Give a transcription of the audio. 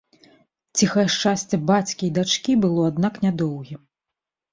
Ціхае шчасце бацькі і дачкі было, аднак, нядоўгім.